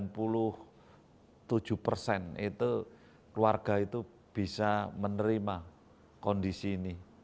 tujuh persen itu keluarga itu bisa menerima kondisi ini